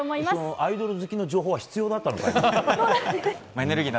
アイドル好きの情報は必要だったのかな。